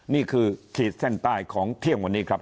นี่คือเขตแท่นใต้ของเที่ยงวันนี้ครับ